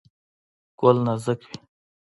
ګل نازک وي.